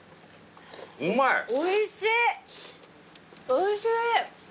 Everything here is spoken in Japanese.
おいしい。